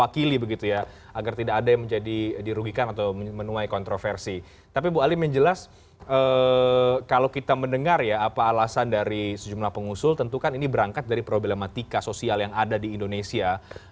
kita dengar ya apa alasan dari sejumlah pengusul tentukan ini berangkat dari problematika sosial yang ada di indonesia